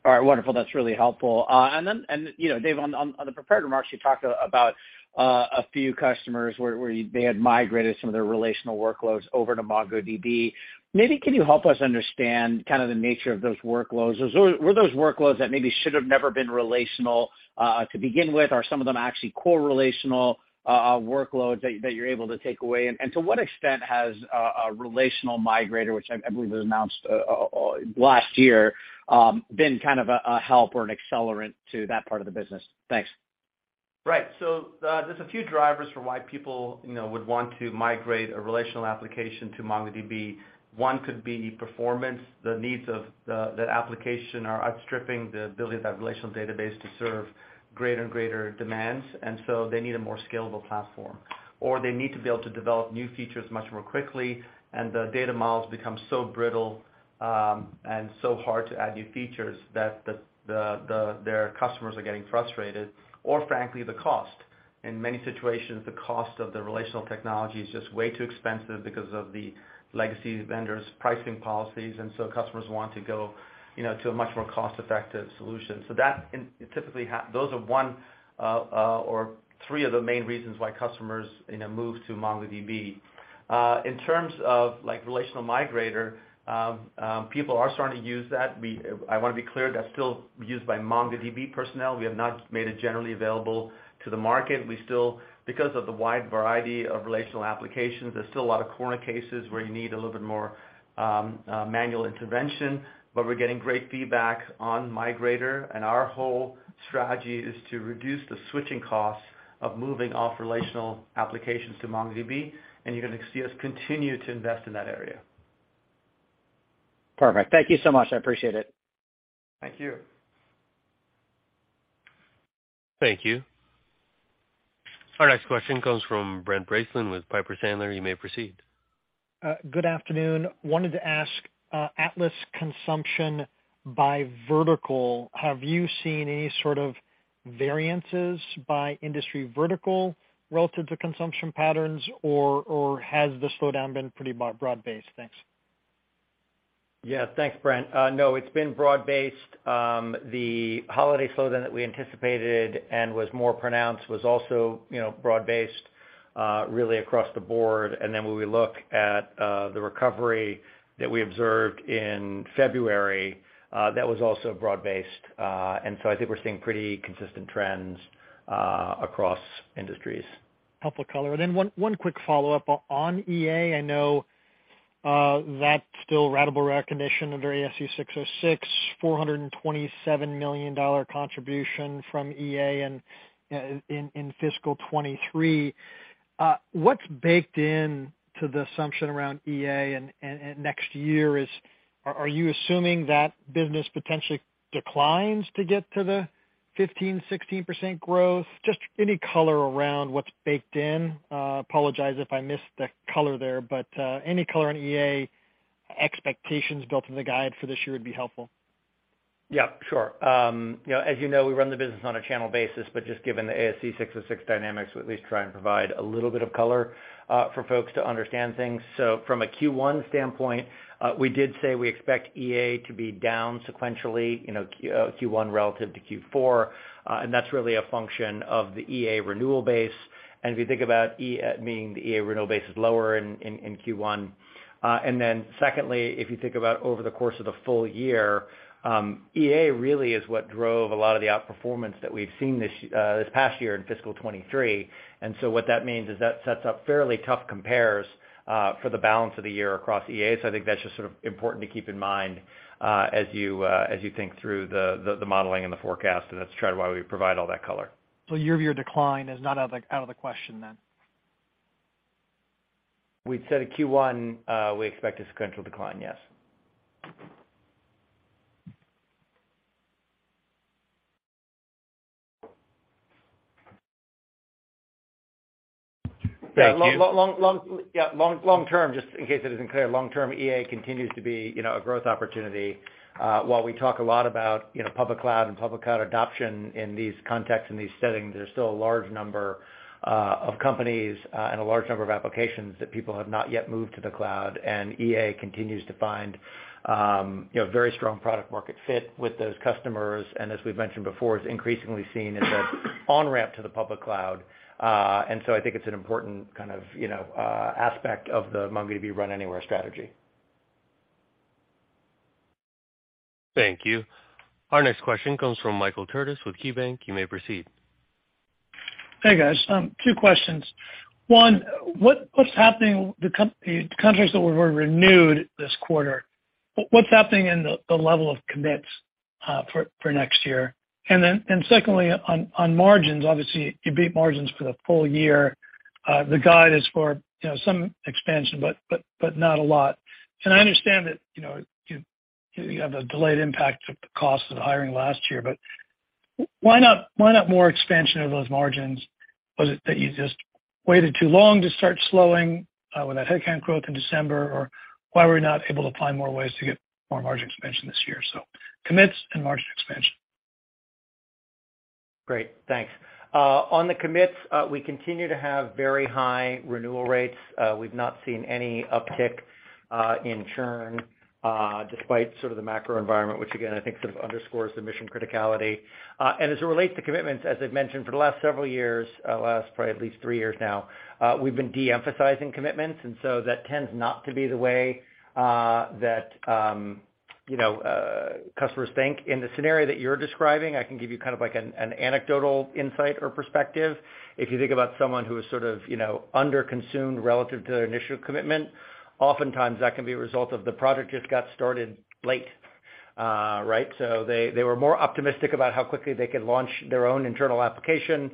All right. Wonderful. That's really helpful. You know, Dev, on the prepared remarks, you talked about a few customers where they had migrated some of their relational workloads over to MongoDB. Maybe can you help us understand kind of the nature of those workloads? Were those workloads that maybe should have never been relational to begin with? Are some of them actually correlational workloads that you're able to take away? To what extent has a Relational Migrator, which I believe was announced last year, been kind of a help or an accelerant to that part of the business? Thanks. Right. There's a few drivers for why people, you know, would want to migrate a relational application to MongoDB. One could be performance. The needs of the application are outstripping the ability of that relational database to serve greater and greater demands, they need a more scalable platform. They need to be able to develop new features much more quickly, and the data models become so brittle, and so hard to add new features that their customers are getting frustrated, or frankly, the cost. In many situations, the cost of the relational technology is just way too expensive because of the legacy vendors' pricing policies, customers want to go, you know, to a much more cost-effective solution. That typically those are one or three of the main reasons why customers, you know, move to MongoDB. In terms of like Relational Migrator, people are starting to use that. We, I wanna be clear that's still used by MongoDB personnel. We have not made it generally available to the market. Because of the wide variety of relational applications, there's still a lot of corner cases where you need a little bit more manual intervention, but we're getting great feedback on migrator and our whole strategy is to reduce the switching costs of moving off relational applications to MongoDB, and you're gonna see us continue to invest in that area. Perfect. Thank you so much. I appreciate it. Thank you. Thank you. Our next question comes from Brent Bracelin with Piper Sandler. You may proceed. Good afternoon. Wanted to ask, Atlas consumption by vertical, have you seen any sort of variances by industry vertical relative to consumption patterns? Or has the slowdown been pretty broad-based? Thanks. Yeah. Thanks, Brent. No, it's been broad-based. The holiday slowdown that we anticipated and was more pronounced was also, you know, broad-based, really across the board. When we look at, the recovery that we observed in February, that was also broad-based. I think we're seeing pretty consistent trends, across industries. Helpful color. One quick follow-up on EA. I know that's still ratable recognition under ASC 606, $427 million contribution from EA in fiscal 2023. What's baked in to the assumption around EA and next year, are you assuming that business potentially declines to get to the 15%-16% growth? Just any color around what's baked in. Apologize if I missed the color there, but any color on EA expectations built in the guide for this year would be helpful. Yeah, sure. You know, as you know, we run the business on a channel basis, but just given the ASC 606 dynamics, we at least try and provide a little bit of color for folks to understand things. From a Q1 standpoint, we did say we expect EA to be down sequentially, you know, Q1 relative to Q4, and that's really a function of the EA renewal base. If you think about Meaning the EA renewal base is lower in Q1. Secondly, if you think about over the course of the full year, EA really is what drove a lot of the outperformance that we've seen this past year in fiscal '23. What that means is that sets up fairly tough compares for the balance of the year across EA. I think that's just sort of important to keep in mind as you as you think through the, the modeling and the forecast, and that's try to why we provide all that color. Year-over-year decline is not out of the question then? We said at Q1, we expect a sequential decline, yes. Thank you. Yeah. long, long term, just in case it isn't clear, long-term EA continues to be, you know, a growth opportunity. While we talk a lot about, you know, public cloud and public cloud adoption in these contexts and these settings, there's still a large number of companies and a large number of applications that people have not yet moved to the cloud, and EA continues to find, you know, very strong product market fit with those customers. As we've mentioned before, it's increasingly seen as a on-ramp to the public cloud. I think it's an important kind of, you know, aspect of the MongoDB run anywhere strategy. Thank you. Our next question comes from Michael Turits with KeyBank. You may proceed. Hey, guys, two questions. One, what's happening the contracts that were renewed this quarter, what's happening in the level of commits for next year? Secondly, on margins, obviously, you beat margins for the full year. The guide is for, you know, some expansion, but not a lot. I understand that, you know, you have a delayed impact of the cost of hiring last year, but why not more expansion over those margins? Was it that you just waited too long to start slowing with that headcount growth in December? Why we're not able to find more ways to get more margin expansion this year? Commits and margin expansion. Great. Thanks. On the commits, we continue to have very high renewal rates. We've not seen any uptick in churn despite sort of the macro environment, which again I think sort of underscores the mission criticality. As it relates to commitments, as I've mentioned for the last several years, last probably at least three years now, we've been de-emphasizing commitments, and so that tends not to be the way that, you know, customers think. In the scenario that you're describing, I can give you kind of like an anecdotal insight or perspective. If you think about someone who is sort of, you know, under-consumed relative to their initial commitment, oftentimes that can be a result of the project just got started late. Right? They were more optimistic about how quickly they could launch their own internal application.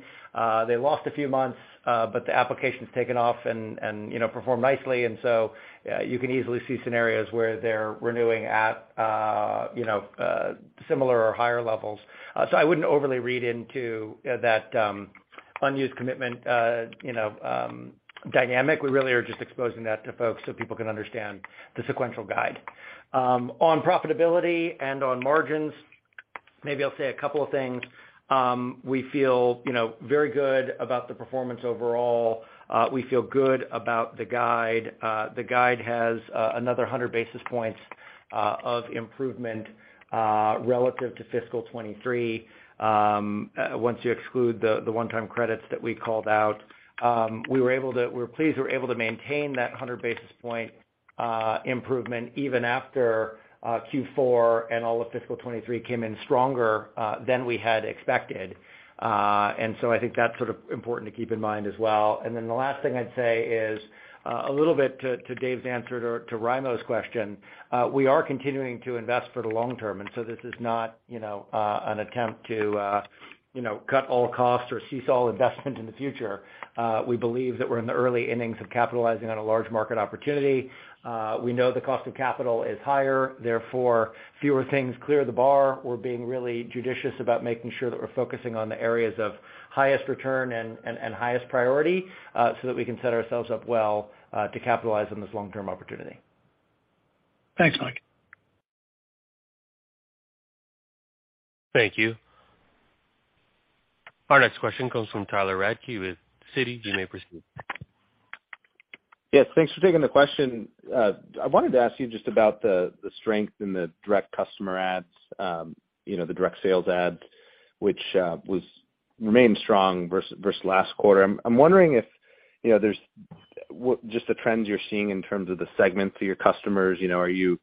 They lost a few months, but the application's taken off and, you know, performed nicely. You can easily see scenarios where they're renewing at, you know, similar or higher levels. I wouldn't overly read into that unused commitment, you know, dynamic. We really are just exposing that to folks so people can understand the sequential guide. On profitability and on margins Maybe I'll say a couple of things. We feel, you know, very good about the performance overall. We feel good about the guide. The guide has another 100 basis points of improvement relative to fiscal 2023, once you exclude the one-time credits that we called out. We're pleased we were able to maintain that 100-basis point improvement even after Q4 and all of fiscal 2023 came in stronger than we had expected. I think that's sort of important to keep in mind as well. The last thing I'd say is a little bit to Dev's answer to Raimo's question, we are continuing to invest for the long term, this is not, you know, an attempt to, you know, cut all costs or cease all investment in the future. We believe that we're in the early innings of capitalizing on a large market opportunity. We know the cost of capital is higher, therefore fewer things clear the bar. We're being really judicious about making sure that we're focusing on the areas of highest return and highest priority, so that we can set ourselves up well to capitalize on this long-term opportunity. Thanks, Mike. Thank you. Our next question comes from Tyler Radke with Citi. You may proceed. Thanks for taking the question. I wanted to ask you just about the strength in the direct customer ads, you know, the direct sales ads, which remained strong versus last quarter. I'm wondering if, you know, what just the trends you're seeing in terms of the segments of your customers. You know, are you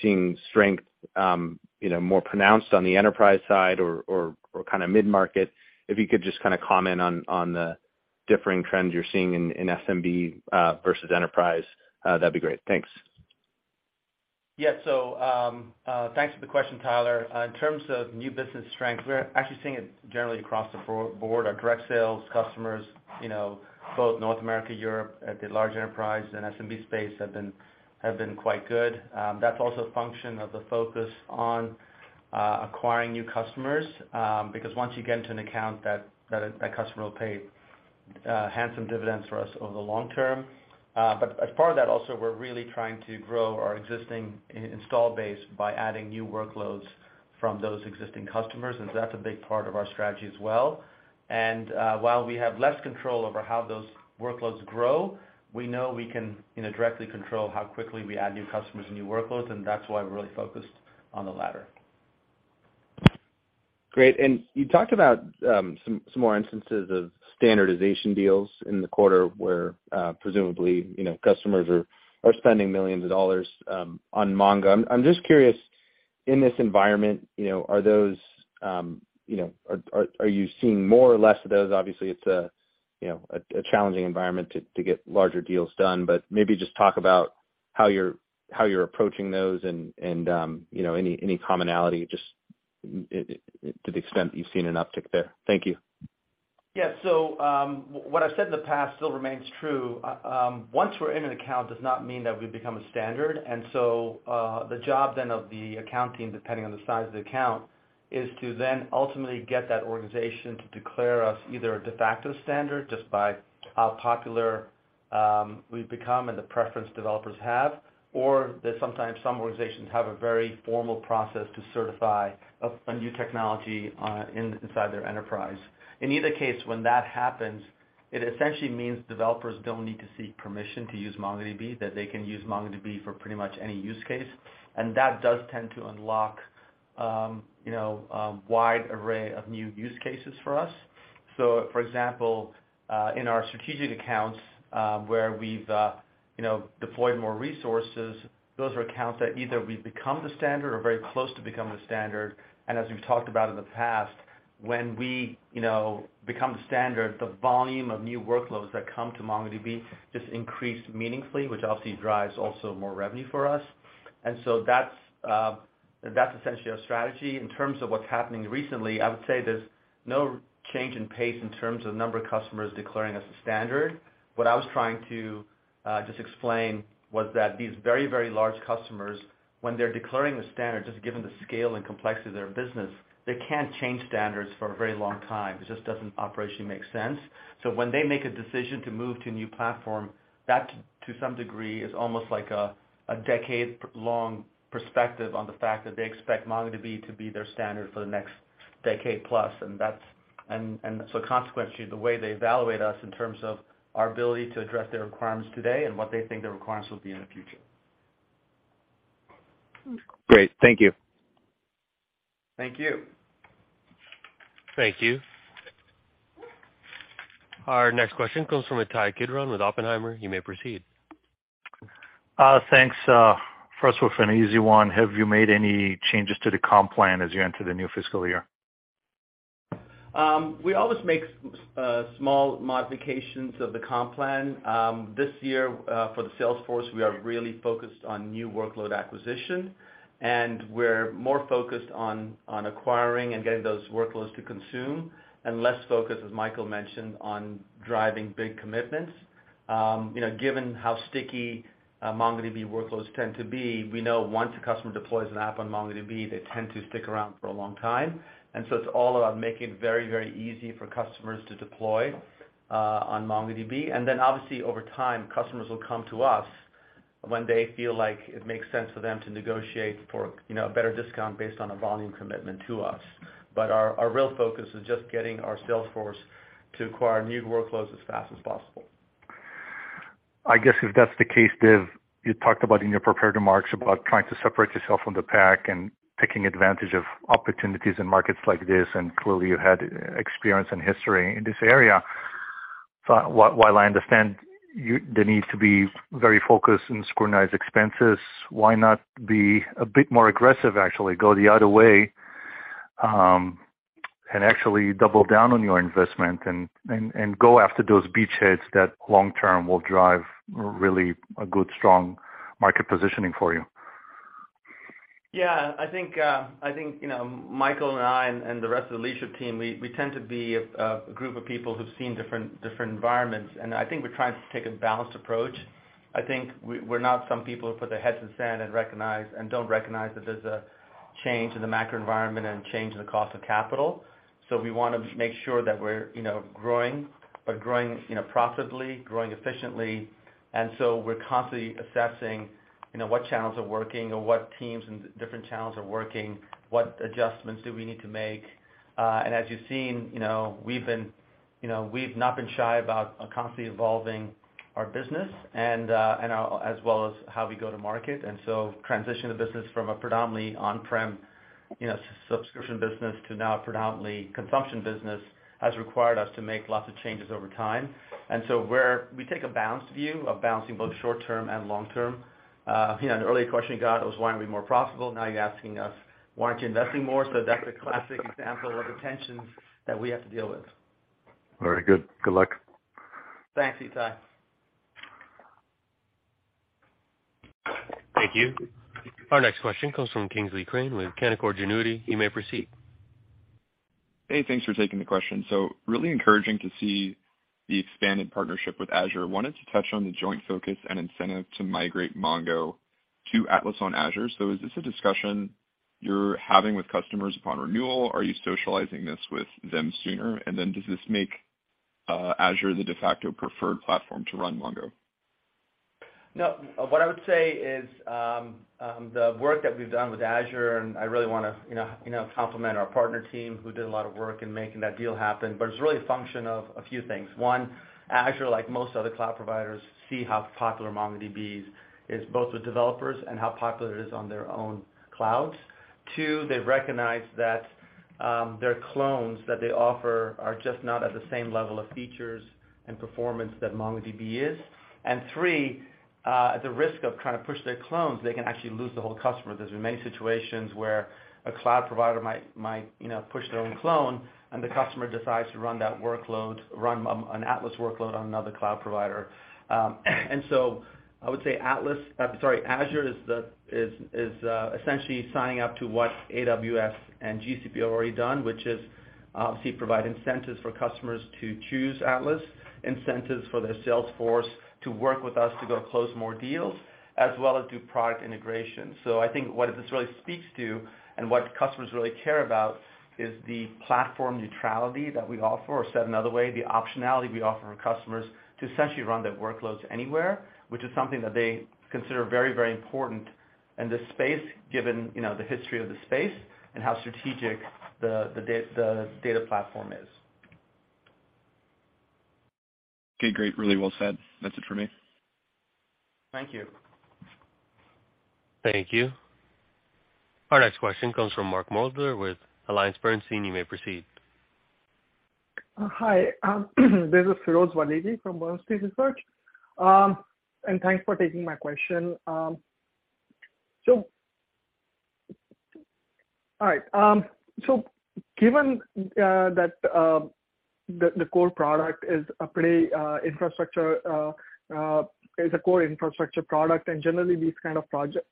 seeing strength, you know, more pronounced on the enterprise side or kinda mid-market? If you could just kinda comment on the differing trends you're seeing in SMB versus enterprise, that'd be great. Thanks. Thanks for the question, Tyler. In terms of new business strength, we're actually seeing it generally across the board. Our direct sales customers, you know, both North America, Europe at the large enterprise and SMB space have been quite good. That's also a function of the focus on acquiring new customers, because once you get into an account that customer will pay handsome dividends for us over the long term. As part of that also we're really trying to grow our existing install base by adding new workloads from those existing customers, and so that's a big part of our strategy as well. While we have less control over how those workloads grow, we know we can, you know, directly control how quickly we add new customers and new workloads, and that's why we're really focused on the latter. Great. You talked about some more instances of standardization deals in the quarter where, presumably, you know, customers are spending millions of dollars on MongoDB. I'm just curious, in this environment, you know, are those, you know, are you seeing more or less of those? Obviously, it's a, you know, a challenging environment to get larger deals done. Maybe just talk about how you're approaching those and, you know, any commonality, just to the extent that you've seen an uptick there. Thank you. Yeah. What I've said in the past still remains true. Once we're in an account does not mean that we've become a standard. The job then of the account team, depending on the size of the account, is to then ultimately get that organization to declare us either a de facto standard just by how popular we've become and the preference developers have, or that sometimes some organizations have a very formal process to certify a new technology inside their enterprise. In either case, when that happens, it essentially means developers don't need to seek permission to use MongoDB, that they can use MongoDB for pretty much any use case. That does tend to unlock, you know, wide array of new use cases for us. For example, in our strategic accounts, where we've, you know, deployed more resources, those are accounts that either we've become the standard or very close to becoming the standard. As we've talked about in the past, when we, you know, become the standard, the volume of new workloads that come to MongoDB just increase meaningfully, which obviously drives also more revenue for us. That's, that's essentially our strategy. In terms of what's happening recently, I would say there's no change in pace in terms of the number of customers declaring us a standard. What I was trying to, just explain was that these very, very large customers, when they're declaring the standard, just given the scale and complexity of their business, they can't change standards for a very long time. It just doesn't operationally make sense. When they make a decision to move to a new platform, that to some degree is almost like a decade-long perspective on the fact that they expect MongoDB to be their standard for the next decade plus, and so consequently, the way they evaluate us in terms of our ability to address their requirements today and what they think the requirements will be in the future. Great. Thank you. Thank you. Thank you. Our next question comes from Ittai Kidron with Oppenheimer. You may proceed. Thanks. First with an easy one, have you made any changes to the comp plan as you enter the new fiscal year? We always make small modifications of the comp plan. This year, for the sales force, we are really focused on new workload acquisition, and we're more focused on acquiring and getting those workloads to consume and less focused, as Michael mentioned, on driving big commitments. You know, given how sticky MongoDB workloads tend to be, we know once a customer deploys an app on MongoDB, they tend to stick around for a long time. It's all about making it very, very easy for customers to deploy on MongoDB. Obviously, over time, customers will come to us when they feel like it makes sense for them to negotiate for, you know, a better discount based on a volume commitment to us. Our real focus is just getting our sales force to acquire new workloads as fast as possible. I guess if that's the case, Dev, you talked about in your prepared remarks about trying to separate yourself from the pack and taking advantage of opportunities in markets like this, and clearly you had experience and history in this area. While, while I understand you the need to be very focused and scrutinize expenses, why not be a bit more aggressive, actually go the other way, and actually double down on your investment and go after those beachheads that long-term will drive really a good strong market positioning for you? Yeah. I think, you know, Michael and I and the rest of the leadership team, we tend to be a group of people who've seen different environments, and I think we're not some people who put their heads in sand and don't recognize that there's a change in the macro environment and a change in the cost of capital. We wanna make sure that we're, you know, growing, but growing, you know, profitably, growing efficiently. We're constantly assessing, you know, what channels are working or what teams and different channels are working, what adjustments do we need to make. As you've seen, you know, we've been, you know, we've not been shy about constantly evolving our business and our, as well as how we go to market. Transition the business from a predominantly on-prem, you know, subscription business to now a predominantly consumption business has required us to make lots of changes over time. We take a balanced view of balancing both short-term and long-term. You know, an earlier question you got was why aren't we more profitable, now you're asking us, why aren't you investing more? That's a classic example of the tensions that we have to deal with. Very good. Good luck. Thanks, Ittai. Thank you. Our next question comes from Kingsley Crane with Canaccord Genuity. You may proceed. Hey, thanks for taking the question. Really encouraging to see the expanded partnership with Azure. Wanted to touch on the joint focus and incentive to migrate Mongo to Atlas on Azure. Is this a discussion you're having with customers upon renewal? Are you socializing this with them sooner? Does this make Azure the de facto preferred platform to run Mongo? No. What I would say is, the work that we've done with Azure, and I really wanna, you know, compliment our partner team who did a lot of work in making that deal happen, but it's really a function of a few things. One, Azure, like most other cloud providers, see how popular MongoDB is, both with developers and how popular it is on their own clouds. Two, they've recognized that their clones that they offer are just not at the same level of features and performance that MongoDB is. Three, at the risk of trying to push their clones, they can actually lose the whole customer. There's been many situations where a cloud provider might, you know, push their own clone and the customer decides to run that workload, run an Atlas workload on another cloud provider. I would say Atlas, sorry, Azure is essentially signing up to what AWS and GCP have already done, which is seek to provide incentives for customers to choose Atlas, incentives for their sales force to work with us to go close more deals, as well as do product integration. I think what this really speaks to and what customers really care about is the platform neutrality that we offer, or said another way, the optionality we offer our customers to essentially run their workloads anywhere, which is something that they consider very, very important in this space, given, you know, the history of the space and how strategic the data platform is. Okay, great. Really well said. That's it for me. Thank you. Thank you. Our next question comes from Mark Moerdler with AllianceBernstein. You may proceed. Hi, this is Firoz Valliji from Bernstein Research. Thanks for taking my question. All right. Given that the core product is a core infrastructure product, generally these kind of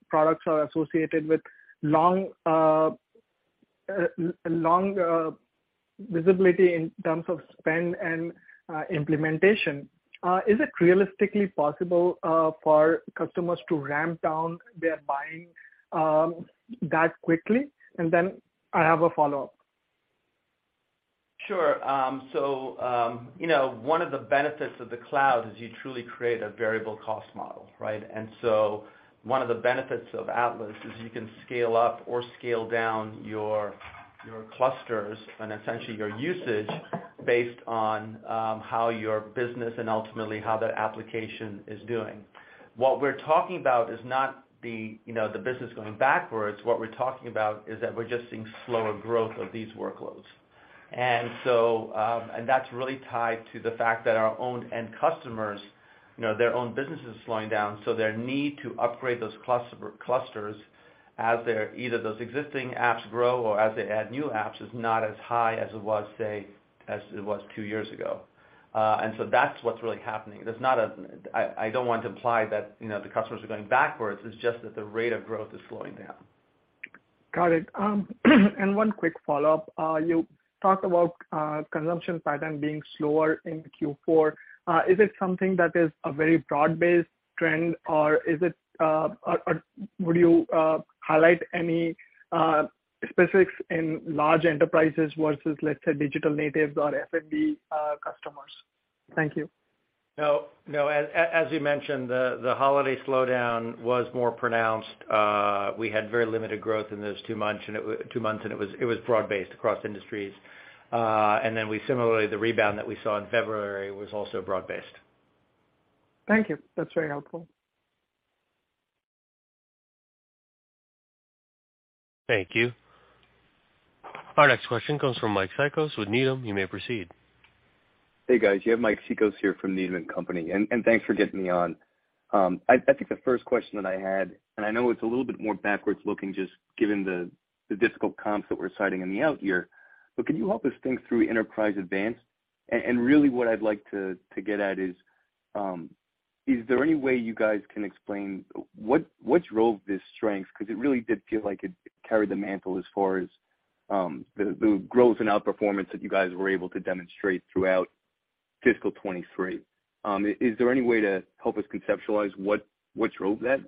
products are associated with long, long visibility in terms of spend and implementation, is it realistically possible for customers to ramp down their buying that quickly? I have a follow-up. Sure. One of the benefits of the cloud is you truly create a variable cost model, right? One of the benefits of Atlas is you can scale up or scale down your clusters and essentially your usage based on how your business and ultimately how that application is doing. What we're talking about is not the business going backwards. What we're talking about is that we're just seeing slower growth of these workloads. That's really tied to the fact that our own end customers, their own business is slowing down, so their need to upgrade those clusters as they're either those existing apps grow or as they add new apps is not as high as it was, say, as it was 2 years ago. That's what's really happening. I don't want to imply that, you know, the customers are going backwards, it's just that the rate of growth is slowing down. Got it. One quick follow-up. You talked about consumption pattern being slower in Q4. Is it something that is a very broad-based trend, or is it, would you highlight any specifics in large enterprises versus, let's say, digital natives or SMB customers? Thank you. No, no. As you mentioned, the holiday slowdown was more pronounced. We had very limited growth in those 2 months, and it was broad-based across industries. Similarly, the rebound that we saw in February was also broad-based. Thank you. That's very helpful. Thank you. Our next question comes from Mike Cikos with Needham. You may proceed. Hey, guys. You have Mike Cikos here from Needham & Company. Thanks for getting me on. I think the first question that I had, and I know it's a little bit more backwards-looking just given the difficult comps that we're citing in the out year, but can you help us think through Enterprise Advanced? Really what I'd like to get at is there any way you guys can explain what drove this strength? 'Cause it really did feel like it carried the mantle as far as the growth and outperformance that you guys were able to demonstrate throughout fiscal 23. Is there any way to help us conceptualize what drove that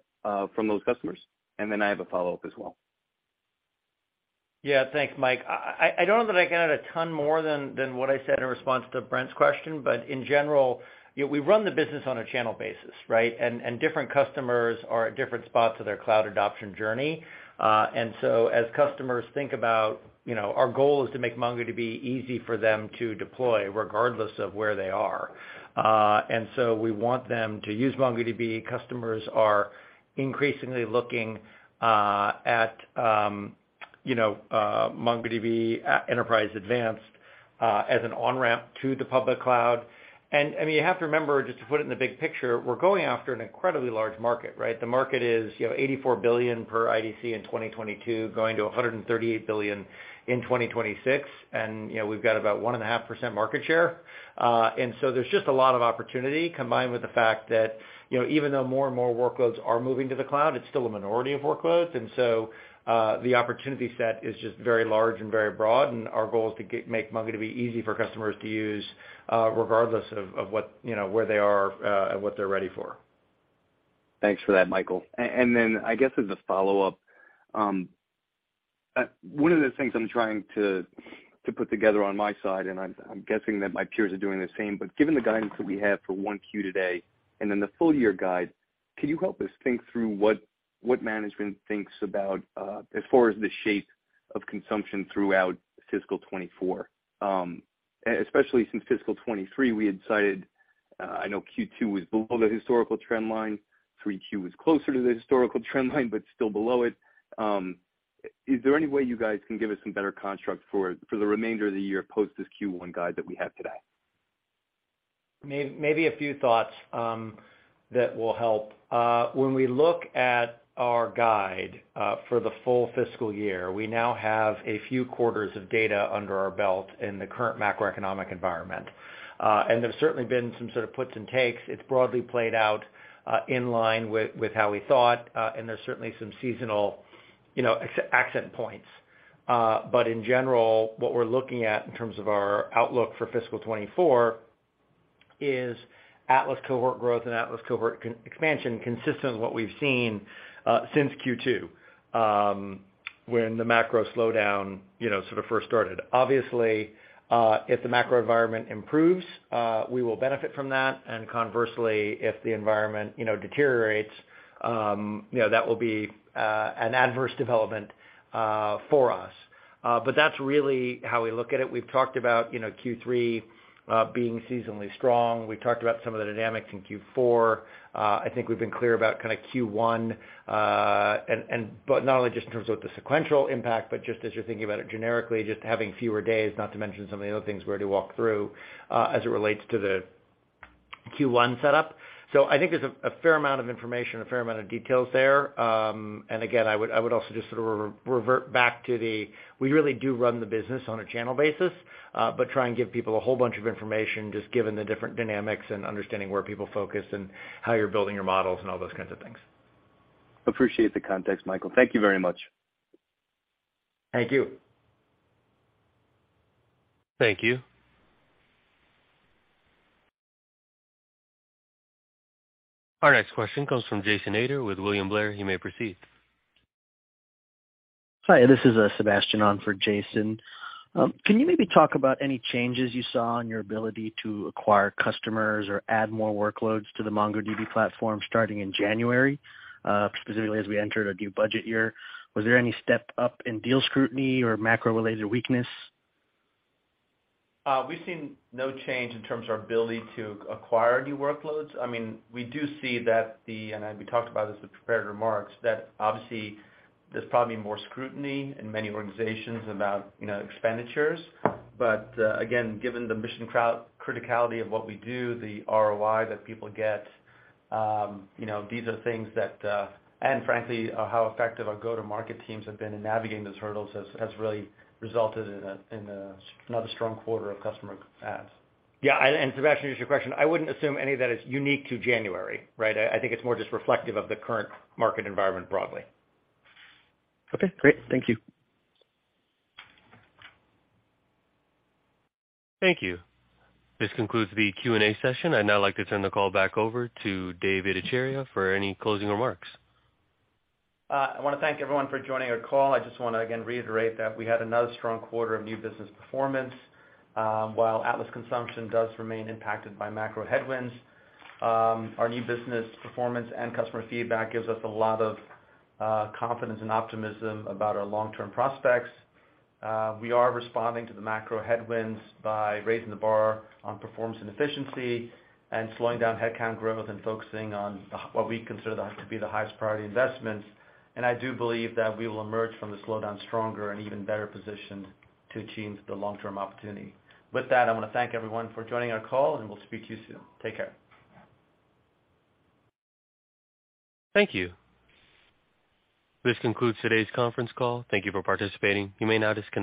from those customers? Then I have a follow-up as well. Yeah. Thanks, Mike. I don't know that I can add a ton more than what I said in response to Brent's question. In general, you know, we run the business on a channel basis, right? Different customers are at different spots of their cloud adoption journey. As customers think about, you know, our goal is to make MongoDB easy for them to deploy regardless of where they are. We want them to use MongoDB. Customers are increasingly looking at, you know, MongoDB Enterprise Advanced as an on-ramp to the public cloud. I mean, you have to remember, just to put it in the big picture, we're going after an incredibly large market, right? The market is, you know, $84 billion per IDC in 2022, going to $138 billion in 2026. We've got about 1.5% market share. There's just a lot of opportunity combined with the fact that, you know, even though more and more workloads are moving to the cloud, it's still a minority of workloads. The opportunity set is just very large and very broad, and our goal is to make MongoDB easy for customers to use, regardless of what, you know, where they are, and what they're ready for. Thanks for that, Michael. I guess as a follow-up, one of the things I'm trying to put together on my side, and I'm guessing that my peers are doing the same, given the guidance that we have for 1Q today and then the full year guide, can you help us think through what management thinks about as far as the shape of consumption throughout fiscal 2024? Especially since fiscal 2023, we had cited, I know Q2 was below the historical trend line, 3Q was closer to the historical trend line, but still below it. Is there any way you guys can give us some better construct for the remainder of the year post this Q1 guide that we have today? Maybe a few thoughts that will help. When we look at our guide for the full fiscal year, we now have a few quarters of data under our belt in the current macroeconomic environment. There's certainly been some sort of puts and takes. It's broadly played out in line with how we thought, and there's certainly some seasonal, you know, accent points. But in general, what we're looking at in terms of our outlook for fiscal 2024 is Atlas cohort growth and Atlas cohort expansion consistent with what we've seen since Q2 when the macro slowdown, you know, sort of first started. Obviously, if the macro environment improves, we will benefit from that. Conversely, if the environment, you know, deteriorates, you know, that will be an adverse development for us. That's really how we look at it. We've talked about, you know, Q3 being seasonally strong. We've talked about some of the dynamics in Q4. I think we've been clear about kind of Q1, but not only just in terms of the sequential impact, but just as you're thinking about it generically, just having fewer days, not to mention some of the other things we already walked through as it relates to the Q1 setup. I think there's a fair amount of information, a fair amount of details there. Again, I would also just sort of revert back to the, we really do run the business on a channel basis, but try and give people a whole bunch of information just given the different dynamics and understanding where people focus and how you're building your models and all those kinds of things. Appreciate the context, Michael. Thank you very much. Thank you. Thank you. Our next question comes from Jason Ader with William Blair. You may proceed. Hi, this is Sebastian on for Jason. Can you maybe talk about any changes you saw in your ability to acquire customers or add more workloads to the MongoDB platform starting in January, specifically as we entered a new budget year? Was there any step up in deal scrutiny or macro-related weakness? We've seen no change in terms of our ability to acquire new workloads. I mean, we do see that and we talked about this with prepared remarks, that obviously there's probably more scrutiny in many organizations about, you know, expenditures. Again, given the mission criticality of what we do, the ROI that people get, you know, these are things that, and frankly, how effective our go-to-market teams have been in navigating those hurdles has really resulted in a another strong quarter of customer adds. Yeah, Sebastian, just your question, I wouldn't assume any of that is unique to January, right? I think it's more just reflective of the current market environment broadly. Okay, great. Thank you. Thank you. This concludes the Q&A session. I'd now like to turn the call back over to Dev Ittycheria for any closing remarks. I wanna thank everyone for joining our call. I just wanna, again, reiterate that we had another strong quarter of new business performance. While Atlas consumption does remain impacted by macro headwinds, our new business performance and customer feedback gives us a lot of confidence and optimism about our long-term prospects. We are responding to the macro headwinds by raising the bar on performance and efficiency and slowing down headcount growth and focusing on what we consider to be the highest priority investments. I do believe that we will emerge from the slowdown stronger and even better positioned to achieve the long-term opportunity. With that, I wanna thank everyone for joining our call, and we'll speak to you soon. Take care. Thank you. This concludes today's conference call. Thank you for participating. You may now disconnect.